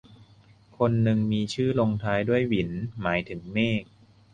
คนนึงมีชื่อลงท้ายด้วยหวิน หมายถึงเมฆ